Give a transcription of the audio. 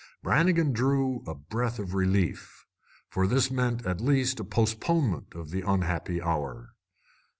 Brannigan drew a breath of relief, for this meant at least a postponement of the unhappy hour.